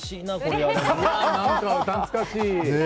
何か懐かしい！